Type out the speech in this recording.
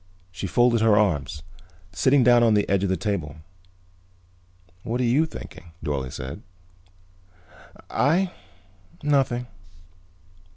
She folded her arms, sitting down on the edge of the table. "What are you thinking?" Dorle said. "I? Nothing."